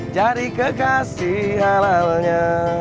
jadi kekasih halalnya